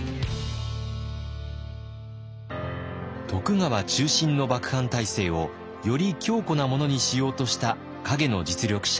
徳川中心の幕藩体制をより強固なものにしようとした陰の実力者